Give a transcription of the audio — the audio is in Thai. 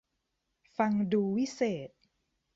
ฟังดูวิเศษ